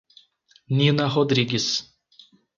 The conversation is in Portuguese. Nina Rodrigues